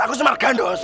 aku semar gandos